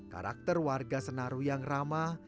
karakter warga senaru yang ramah